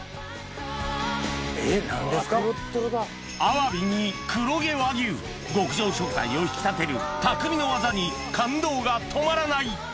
・アワビに黒毛和牛極上食材を引き立てる匠の技に感動が止まらない！